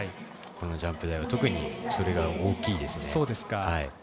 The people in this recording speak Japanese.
このジャンプ台は特にそれが大きいですね。